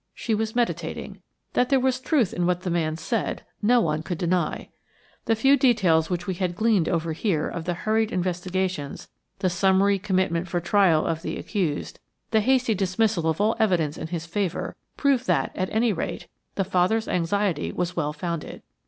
She was meditating. That there was truth in what the man said, no one could deny. The few details which we had gleaned over here of the hurried investigations, the summary commitment for trial of the accused, the hasty dismissal of all evidence in his favour, proved that, at any rate, the father's anxiety was well founded.